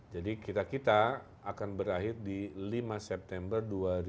jadi kita kita akan berakhir di lima september dua ribu dua puluh tiga